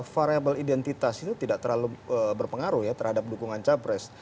variable identitas itu tidak terlalu berpengaruh ya terhadap dukungan capres